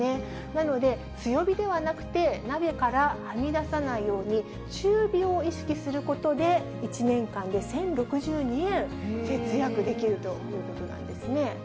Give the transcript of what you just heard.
なので、強火ではなくて、鍋からはみ出さないように、中火を意識することで、１年間で１０６２円、節約できるということなんですね。